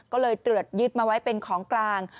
ก็เลยตรวจยึดมาไว้เป็นของกลาง